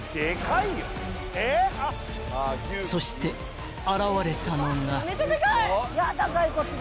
そして現れたのが］